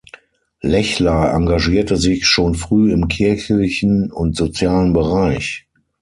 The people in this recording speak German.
Lechler engagierte sich schon früh im kirchlichen und sozialen Bereich.